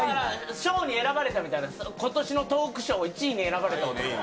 賞に選ばれたみたいな、ことしのトークショー１位に選ばれた男。